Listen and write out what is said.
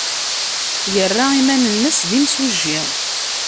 Yerra iman-nnes d imsujji.